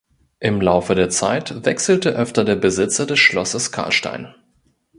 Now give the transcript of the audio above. Im Laufe der Zeit wechselte öfter der Besitzer des Schlosses Karlstein.